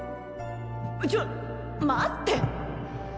ちょ待って！